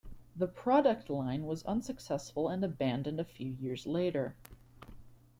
The product line was unsuccessful and abandoned a few years later.